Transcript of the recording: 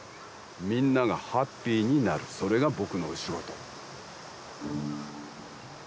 みんながハッピーになるそれが僕のお仕事